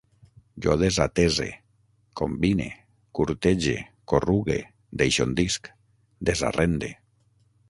Jo desatese, combine, curtege, corrugue, deixondisc, desarrende